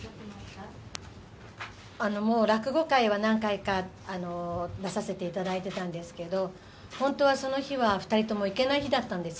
もう落語会は何回か出させていただいてたんですけど、本当はその日は２人とも行けない日だったんです。